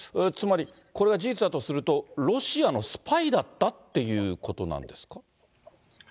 つまりこれが事実だとすると、ロシアのスパイだったっていうことなんですか。